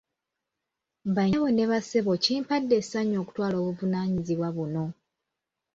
Bannyabo ne bassebo kimpadde ensanyu okutwala obuvunaanyizibwa buno.